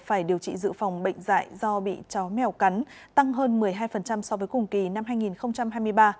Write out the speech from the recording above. phải điều trị dự phòng bệnh dạy do bị chó mèo cắn tăng hơn một mươi hai so với cùng kỳ năm hai nghìn hai mươi ba